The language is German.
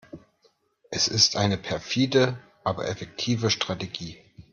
Es ist eine perfide, aber effektive Strategie.